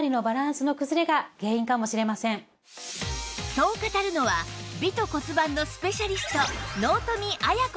そう語るのは美と骨盤のスペシャリスト納富亜矢子先生